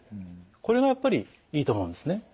これがやっぱりいいと思うんですね。